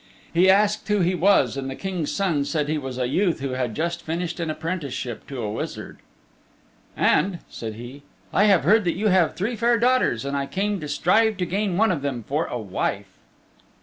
He asked who he was and the King's Son said he was a youth who had just finished an apprenticeship to a wizard. "And," said he, "I have heard that you have three fair daughters, and I came to strive to gain one of them for a wife."